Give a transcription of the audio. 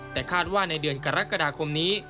แต่คาดว่าในเดือนกรกฎาคมนี้